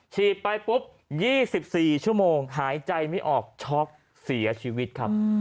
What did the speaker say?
ฉีดไปปุ๊บ๒๔ชั่วโมงหายใจไม่ออกช็อกเสียชีวิตครับ